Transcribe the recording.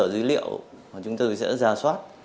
ở cơ sở dữ liệu chúng tôi sẽ ra soát